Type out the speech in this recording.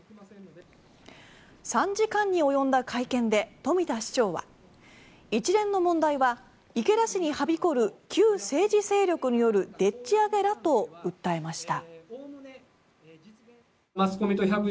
３時間に及んだ会見で冨田市長は一連の問題は池田市にはびこる旧政治勢力によるでっち上げだと訴えました。